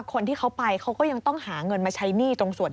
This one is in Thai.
คนที่เขาไปเขาก็ยังต้องหาเงินมาใช้หนี้ตรงส่วน